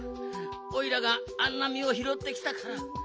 おいらがあんなみをひろってきたから。